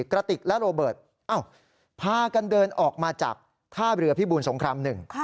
กระติกและโรเบิร์ตพากันเดินออกมาจากท่าเรือพิบูรสงครามหนึ่ง